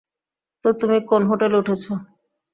তো তুমি কোন হোটেলে উঠেছ?